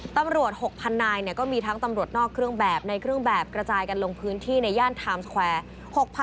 ตำรวจ๖๐๐นายก็มีทั้งตำรวจนอกเครื่องแบบในเครื่องแบบกระจายกันลงพื้นที่ในย่านไทม์สแควร์